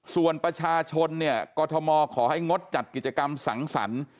ส่วนประชาชนเนี่ยกรทมขอให้งดจัดกิจกรรมสังสรรค์